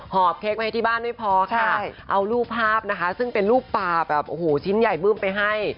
เค้กไว้ให้ที่บ้านไม่พอค่ะเอารูปภาพนะคะซึ่งเป็นรูปป่าแบบโอ้โหชิ้นใหญ่บึ้มไปให้